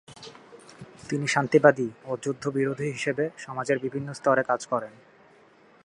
তিনি শান্তিবাদি ও যুদ্ধ বিরোধী হিসেবে সমাজের বিভিন্ন স্তরে কাজ করেন।